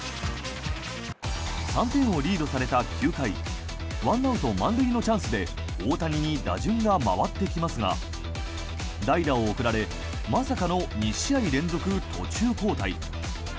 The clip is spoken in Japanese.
３点をリードされた９回１アウト満塁のチャンスで大谷に打順が回ってきますが代打を送られまさかの２試合連続途中交代。